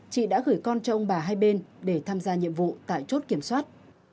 chị đã gửi con cho ông bà hai bên để tham gia nhiệm vụ tại chốt kiểm soát